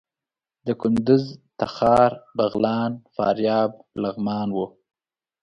د کندوز، تخار، بغلان، فاریاب، لغمان وو.